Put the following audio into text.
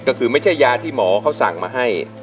ก็คือไม่ใช่ยาที่หมอเขาสั่งมาให้